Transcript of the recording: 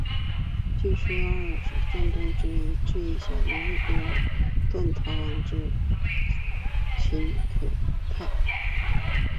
据说阿瑜陀耶的战争藉口之一是其治下奴隶不断逃亡至素可泰。